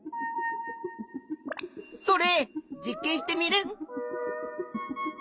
それ実験しテミルン。